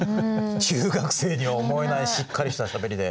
中学生には思えないしっかりしたしゃべりで。